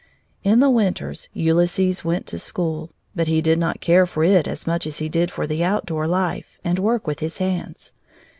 In the winters Ulysses went to school, but he did not care for it as much as he did for outdoor life and work with his hands.